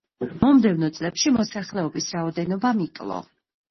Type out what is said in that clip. მომდევნო წლებში მოსახლეობის რაოდენობამ იკლო.